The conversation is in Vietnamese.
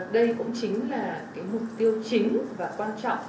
đây cũng chính là cái mục tiêu chính và quan trọng